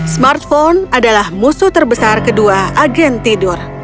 smartphone adalah musuh terbesar kedua agen tidur